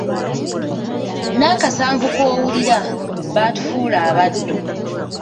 "N’akasanvu k’owulira, baatufuula abaddu."